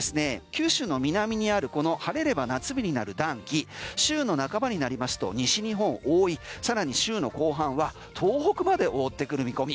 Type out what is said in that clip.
九州の南にあるこの晴れれば夏日になる暖気週の半ばになり西日本を覆いさらに週の後半は東北まで覆ってくる見込み。